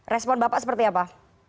respon bapak seperti apa